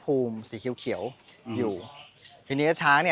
ชื่องนี้ชื่องนี้ชื่องนี้ชื่องนี้ชื่องนี้